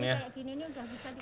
ini usia tiga sampai sembilan bulan